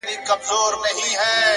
په سپورږمۍ كي زمــــــــــا زړه دى-